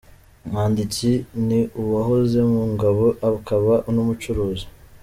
Umwanditsi ni uwahoze mu ngabo akaba n’umucuruzi.